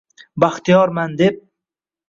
“Baxtiyorman” deb